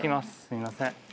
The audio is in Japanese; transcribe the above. すいません。